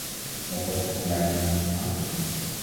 Met wat voor termijnen hebben we te maken?